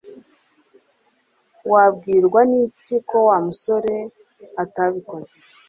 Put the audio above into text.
Wabwirwa n'iki ko Wa musore atabikoze